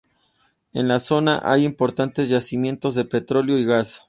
En la zona hay importantes yacimientos de petróleo y gas.